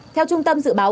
theo trung tâm dự báo